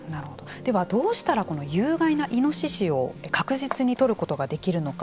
では、どうしたら有害のイノシシを確実に獲ることができるのか。